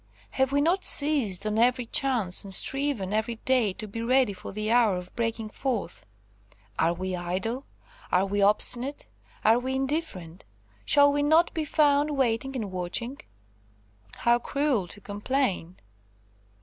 have we not seized on every chance, and striven every day to be ready for the hour of breaking forth? Are we idle? Are we obstinate? Are we indifferent? Shall we not be found waiting and watching? How cruel to complain!"